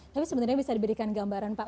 tapi sebenarnya bisa diberikan gambaran pak